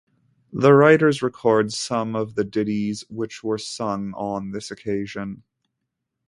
The writers record some of the ditties which were sung on this occasion.